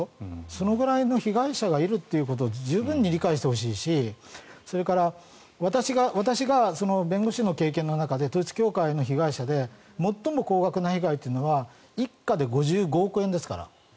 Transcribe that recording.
そのぐらいの被害者がいるということを十分に理解してほしいしそれから私が弁護士の経験の中で統一教会の被害で最も高額な被害というのは一家で５５億円ですから。